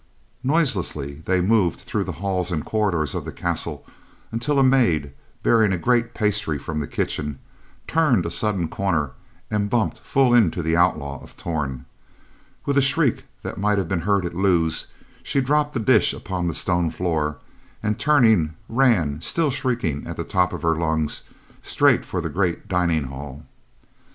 Noiselessly, they moved through the halls and corridors of the castle until a maid, bearing a great pasty from the kitchen, turned a sudden corner and bumped full into the Outlaw of Torn. With a shriek that might have been heard at Lewes, she dropped the dish upon the stone floor and, turning, ran, still shrieking at the top of her lungs, straight for the great dining hall.